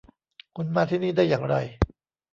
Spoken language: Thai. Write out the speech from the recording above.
คุณมาที่นี่ได้อย่างไร